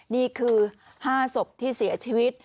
นี่คือ๕ศพที่เสียชีวิต